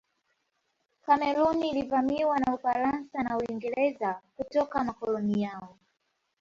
Kameruni ilivamiwa na Ufaransa na Uingereza kutoka makoloni yao